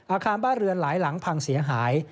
อาคารบ้านเรือนหลายหลังพังเสียหาย